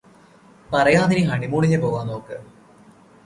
പറയാതിനി ഹണിമൂണിന് പോവാൻ നോക്ക്